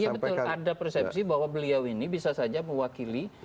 iya betul ada persepsi bahwa beliau ini bisa saja mewakili kelompok dua ratus dua belas